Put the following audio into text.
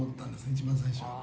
一番最初は。